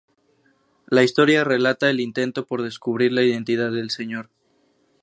La historia relata el intento por descubrir la identidad del Sr.